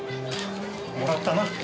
もらったな？